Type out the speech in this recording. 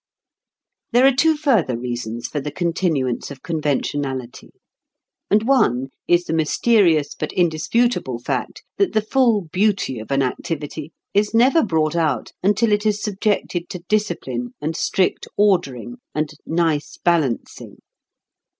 There are two further reasons for the continuance of conventionality. And one is the mysterious but indisputable fact that the full beauty of an activity is never brought out until it is subjected to discipline and strict ordering and nice balancing.